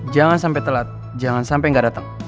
jangan sampai telat jangan sampai gak dateng